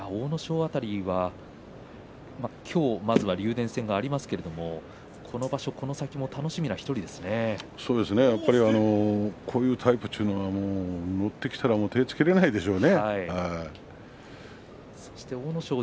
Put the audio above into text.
辺りは今日辺り竜電戦がありますけれどもこの先、今場所がこういうタイプというのは乗ってきたら手がつけられないでしょうね。